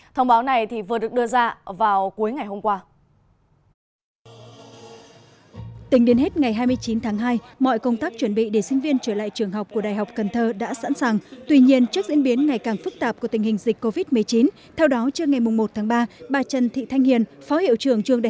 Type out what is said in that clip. thông báo này vừa được đưa ra vào cuối ngày hôm qua